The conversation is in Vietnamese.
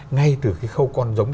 ngay từ cái khâu con giống